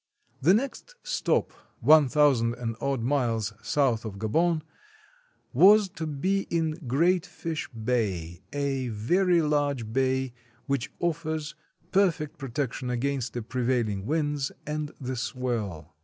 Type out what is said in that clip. The next stop (one thousand and odd miles south 228 COALING AT SEA of Gaboon) was to be in Great Fish Bay — a very large bay, which offers perfect protection against the prevail ing winds and the swell.